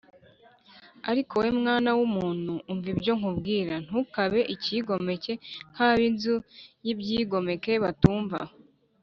Ariko wowe mwana w’umuntu umva ibyo nkubwira Ntukabe icyigomeke nk’ab’inzu y‘ibyigomeke batumva